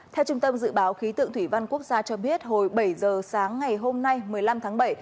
theo trung tâm dự báo khí tượng thủy văn quốc gia cho biết hồi bảy giờ sáng ngày hôm nay một mươi năm tháng bảy